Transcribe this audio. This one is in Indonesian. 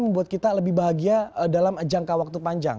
membuat kita lebih bahagia dalam jangka waktu panjang